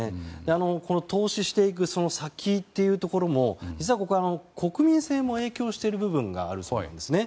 投資していく先も実は、国民性も影響している部分があるそうなんですね。